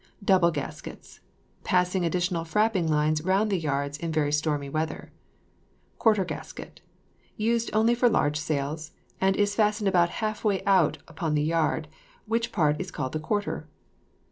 Double gaskets. Passing additional frapping lines round the yards in very stormy weather. Quarter gasket. Used only for large sails, and is fastened about half way out upon the yard, which part is called the quarter.